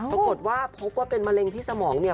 ปรากฏว่ามัลิงสมองเนี่ย